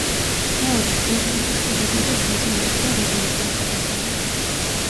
მეორე სეზონს ეწოდებოდა ბეტმენის და რობინის თავგადასავლები.